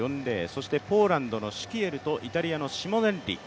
そしてポーランドのシュキエルとイタリアのシモネッリ。